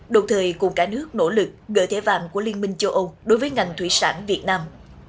đồng thời cùng cả nước nỗ lực gỡ thẻ vàng của liên minh châu âu đối với ngành thủy sản việt nam